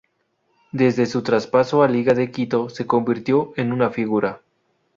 Desde su traspaso a Liga de Quito se convirtió en una figura.